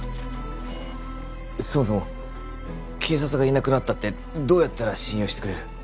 そもそも警察がいなくなったってどうやったら信用してくれる？